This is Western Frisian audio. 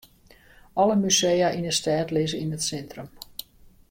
Alle musea yn 'e stêd lizze yn it sintrum.